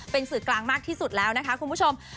เป็นสื่อกลางมากที่สุดแล้วนะคะคุณผู้ชม